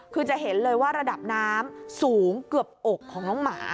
คือจะเห็นเลยว่าระดับน้ำสูงเกือบอกของน้องหมา